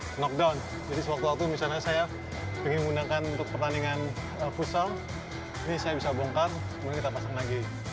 di knockdown jadi sewaktu waktu misalnya saya ingin menggunakan untuk pertandingan futsal ini saya bisa bongkar kemudian kita pasang lagi